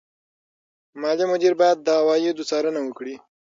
مالي مدیر باید د عوایدو څارنه وکړي.